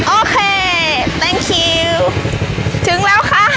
โอเคแตงคิวถึงแล้วคะ